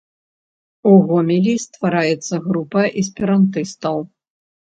у Гомелі ствараецца група эсперантыстаў